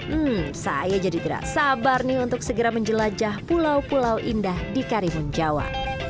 hmm saya jadi tidak sabar nih untuk segera menjelajah pulau pulau indah di karimun jawa